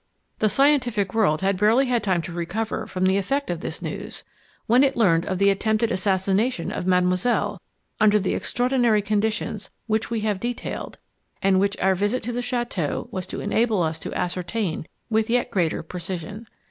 The scientific world had barely had time to recover from the effect of this news, when it learned of the attempted assassination of Mademoiselle under the extraordinary conditions which we have detailed and which our visit to the chateau was to enable us to ascertain with yet greater precision.